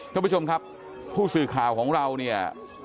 ท่านผู้ชมครับผู้สื่อข่าวของเราเนี่ย